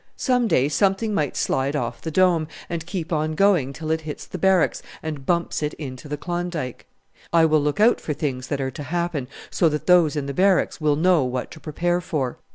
Some day something may slide off the Dome and keep on going till it hits the Barracks and bumps it into the Klondike. I will look out for things that are to happen, so that those in the Barracks will know what to prepare for.